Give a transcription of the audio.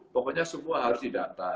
pokoknya semua harus didatar